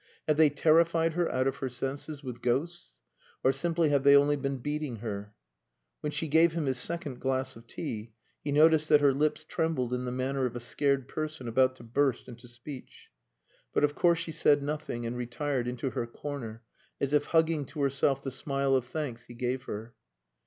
"Have they terrified her out of her senses with ghosts, or simply have they only been beating her?" When she gave him his second glass of tea, he noticed that her lips trembled in the manner of a scared person about to burst into speech. But of course she said nothing, and retired into her corner, as if hugging to herself the smile of thanks he gave her.